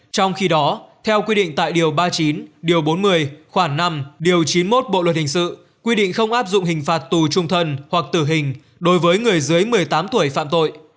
trong khi đó theo quy định tại điều ba mươi chín điều bốn mươi khoảng năm điều chín mươi một bộ luật hình sự quy định không áp dụng hình phạt tù trung thân hoặc tử hình đối với người dưới một mươi tám tuổi phạm tội